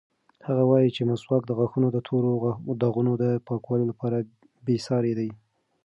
هغه وایي چې مسواک د غاښونو د تورو داغونو د پاکولو لپاره بېساری دی.